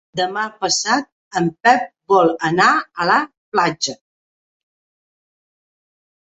Demà passat en Pep vol anar a la platja.